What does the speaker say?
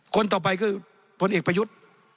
คนต่อไปคือผลเอกประยุทธ์